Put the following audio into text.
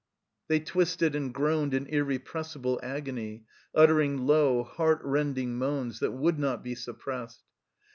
They twisted and groaned in irrepressible agony, uttering low, heart rending moans that would not be suppressed.